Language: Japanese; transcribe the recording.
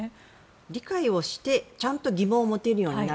理解をしてちゃんと疑問を持てるようになる。